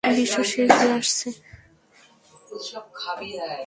বিশ্ব শেষ হয়ে আসছে।